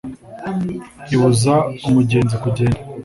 ibuza umugenzi kugenda